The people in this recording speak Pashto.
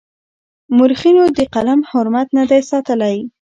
مورخينو د قلم حرمت نه دی ساتلی.